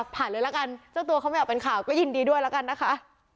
ผ่านเลยละกันเจ้าตัวเขาไม่อยากเป็นข่าวก็ยินดีด้วยแล้วกันนะคะ